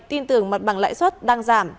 tin tưởng mặt bằng lãi suất đang giảm